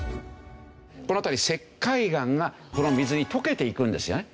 この辺りの石灰岩がこの水に溶けていくんですよね。